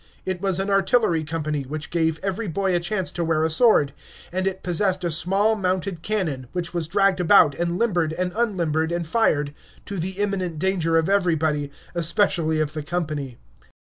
It was an artillery company, which gave every boy a chance to wear a sword, and it possessed a small mounted cannon, which was dragged about and limbered and unlimbered and fired, to the imminent danger of everybody, especially of the company.